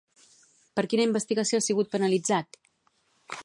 Per quina investigació ha sigut penalitzat?